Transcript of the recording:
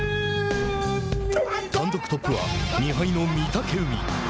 単独トップは２敗の御嶽海。